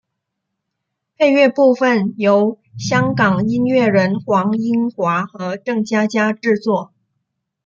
配乐部分由香港音乐人黄英华和郑嘉嘉制作。